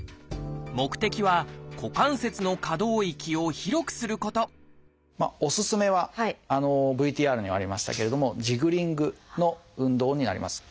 目的は股関節の可動域を広くすることおすすめはＶＴＲにありましたけれどもジグリングの運動になります。